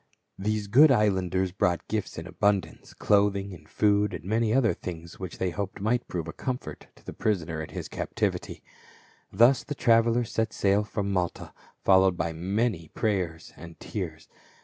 These good islanders brought gifts in abundance, clothing and food, and many other things which they hoped might prove a comfort to the pri soner in his captivity. Thus the travelers set sail from Malta, followed by many prayers and tears.